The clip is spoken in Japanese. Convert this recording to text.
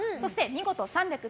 見事３００